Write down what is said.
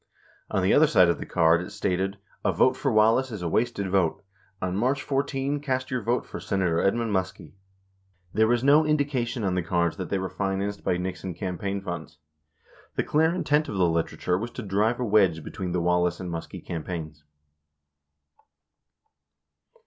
On the other side of the card, it stated "A Vote For Wallace Is A Wasted Vote. On March 14, cast your vote for Senator Edmund Muskie." 63 There was no indication on the cards that they were financed by Nixon campaign funds. The clear intent of the literature was to drive a wedge between the Wallace and Muskie campaigns.